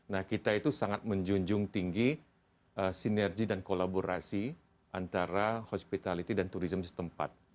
nah kita itu sangat menjunjung tinggi sinergi dan kolaborasi antara hospitality dan turism setempat